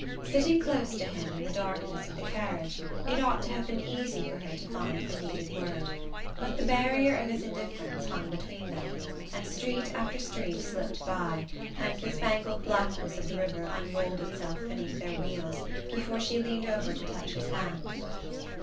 Sitting close to him in the darkness of the carriage, it ought to have been easy for her to find the needed word; but the barrier of his indifference hung between them, and street after street slipped by, and the spangled blackness of the river unrolled itself beneath their wheels, before she leaned over to touch his hand.